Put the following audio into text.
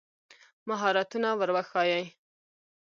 مهارتونه ور وښایي.